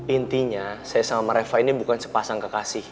intinya saya sama reva ini bukan sepasang kekasih